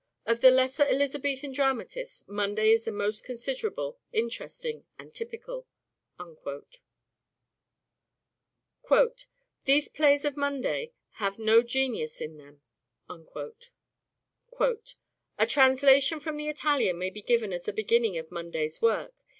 Of the lesser Elizabethan dramatists Munday is the most considerable, interesting and typical." MANHOOD OF DE VERE : MIDDLE PERIOD 309 " These plays of Munday (have) no genius in them." " A translation from the Italian may be given as the beginning of Monday's work.